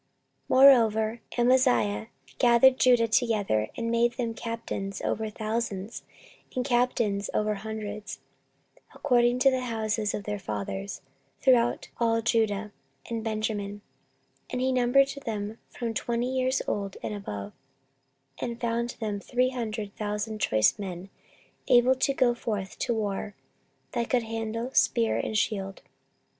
14:025:005 Moreover Amaziah gathered Judah together, and made them captains over thousands, and captains over hundreds, according to the houses of their fathers, throughout all Judah and Benjamin: and he numbered them from twenty years old and above, and found them three hundred thousand choice men, able to go forth to war, that could handle spear and shield.